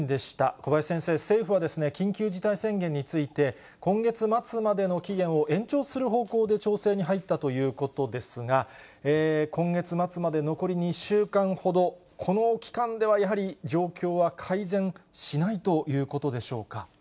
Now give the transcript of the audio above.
小林先生、政府は緊急事態宣言について、今月末までの期限を延長する方向で調整に入ったということですが、今月末まで残り２週間ほど、この期間ではやはり状況は改善しないということでしょうか。